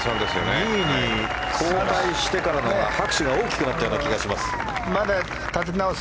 ２位に後退してからのほうが拍手が大きくなったような気がします。